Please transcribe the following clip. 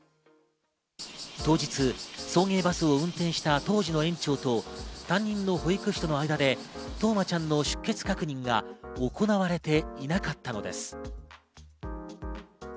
当日、送迎バスを運転していた当時の園長と担任の保育士との間で冬生ちゃんの出欠確認が行われていなかったのです。